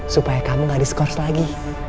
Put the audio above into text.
supaya kamu gak di score lagi